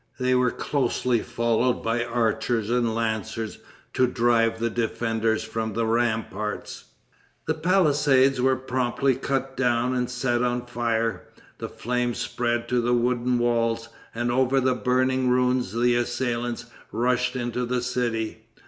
They were closely followed by archers and lancers to drive the defenders from the ramparts. The palisades were promptly cut down and set on fire. The flames spread to the wooden walls; and over the burning ruins the assailants rushed into the city.